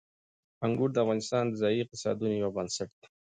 انګور د افغانستان د ځایي اقتصادونو یو بنسټ دی.